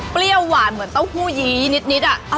เปรี้ยวหวานเหมือนเต้าหู้ยีนิดอะ